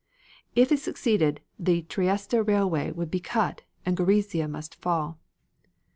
If it succeeded the Trieste railway would be cut and Gorizia must fall.